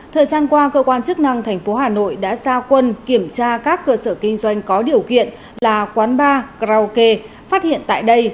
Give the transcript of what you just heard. thời gian qua cơ quan chức năng tp hà nội đã ra quân kiểm tra các cơ sở kinh doanh có điều kiện là quán bar karaoke phát hiện tại đây